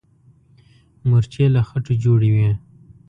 مورچې له خټو جوړې وي.